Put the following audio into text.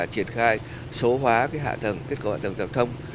triển khai số hóa hạ thầng kết cấu hạ thầng giao thông